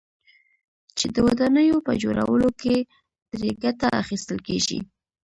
چې د ودانيو په جوړولو كې ترې گټه اخيستل كېږي،